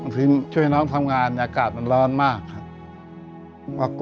ทีมช่วยน้องทำงานอากาศมันร้อนมากครับ